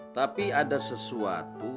tapi ada sesuatu